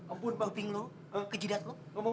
aduh ampun pak